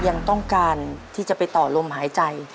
ยังต้องการที่จะไปต่อลมหายใจ